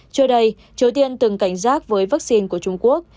trước đây triều tiên từng cảnh giác với vaccine của trung quốc